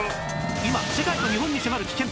今世界と日本に迫る危険！